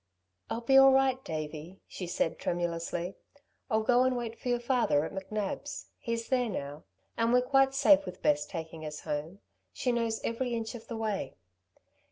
"I'll be all right, Davey," she said tremulously; "I'll go and wait for your father at McNab's. He's there now. And we're quite safe with Bess taking us home. She knows every inch of the way."